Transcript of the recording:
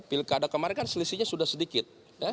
pilkada kemarin kan selisihnya sudah sedikit